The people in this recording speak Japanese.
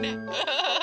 フフフフ。